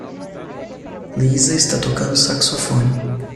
Lisa está tocando saxofone.